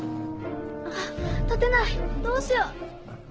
ああ立てないどうしよう。